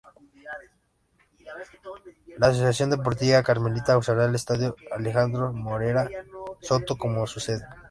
La Asociación Deportiva Carmelita usará el estadio Alejandro Morera Soto como su sede.